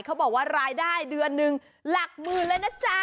เขาบอกว่ารายได้เดือนหนึ่งหลักหมื่นเลยนะจ๊ะ